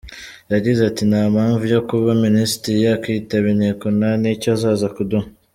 Yagize ati “Nta mpamvu yo kuba minisitiri yakwitaba inteko nta n’icyo azaza kuduha.